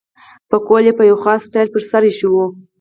پکول یې په یو خاص سټایل پر سر اېښی وو.